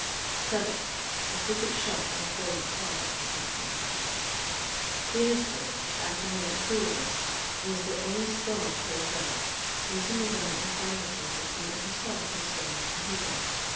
"Seventh: The secret shelf in the foyer closet was not mentioned. "Peter's verdict, after he got through with us, was that only Sprague could have done it using the gun and silencer which Nita herself had stolen from Hugo.